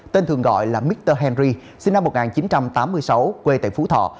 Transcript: tên thường gọi là micher henry sinh năm một nghìn chín trăm tám mươi sáu quê tại phú thọ